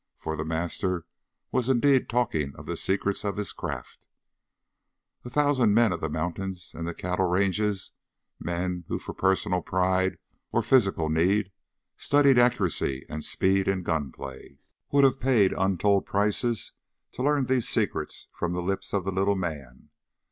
For the master was indeed talking of the secrets of his craft. A thousand men of the mountains and the cattle ranges, men who, for personal pride or for physical need, studied accuracy and speed in gunplay, would have paid untold prices to learn these secrets from the lips of the little man.